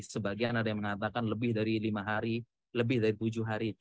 sebagian ada yang mengatakan lebih dari lima hari lebih dari tujuh hari